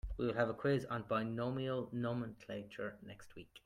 We will have a quiz on binomial nomenclature next week.